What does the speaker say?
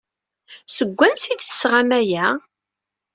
Seg wansi ay d-tesɣam aya?